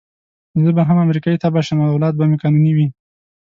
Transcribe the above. زه به هم امریکایي تبعه شم او اولاد به مو قانوني وي.